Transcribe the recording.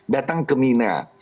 datang ke mina